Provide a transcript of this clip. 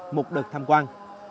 một đợt tham quan